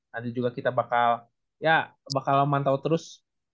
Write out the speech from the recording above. nanti juga kita bakal ya bakal mantau terus